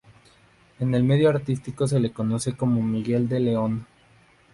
En el medio artístico se le conoce como Miguel De León.